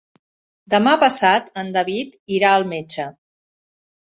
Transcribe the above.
Demà passat en David irà al metge.